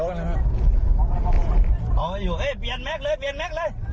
เอาไว้อยู่เอ้ยเปลี่ยนแม็กซ์เลยเปลี่ยนแม็กซ์เลย